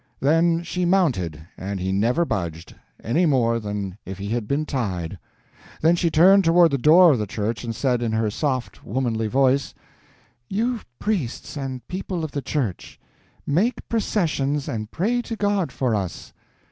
Then she mounted, and he never budged, any more than if he had been tied. Then she turned toward the door of the church and said, in her soft womanly voice, 'You, priests and people of the Church, make processions and pray to God for us!'